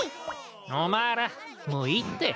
お前らもういいって。